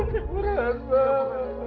bu burhan sembuh bu